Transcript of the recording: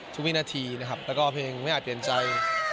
วินาทีนะครับแล้วก็เพลงไม่อาจเปลี่ยนใจ